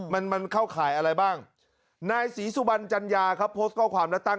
มันเข้าข่ายอะไรบ้างนายสีสุบัญญาครับพวกข้อความนักตั้ง